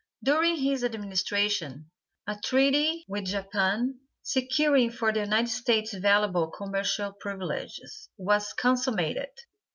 During his administration a treaty with Japan, securing for the United States valuable commercial privileges, was consummated.